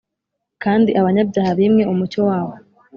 kandi abanyabyaha bīmwe umucyo wabo,